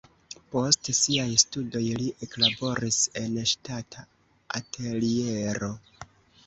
Post siaj studoj li eklaboris en ŝtata ateliero.